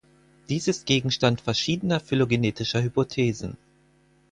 Dies ist Gegenstand verschiedener phylogenetischer Hypothesen.